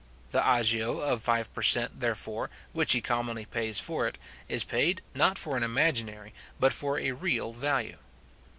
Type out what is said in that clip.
The agio of five per cent. therefore, which he commonly pays for it, is paid, not for an imaginary, but for a real value.